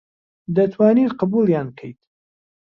دەتوانیت قبووڵیان بکەیت